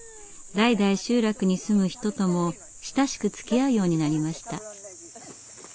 代々集落に住む人とも親しくつきあうようになりました。